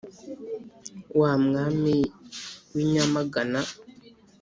Wa Mwami w’ i Nyamagana.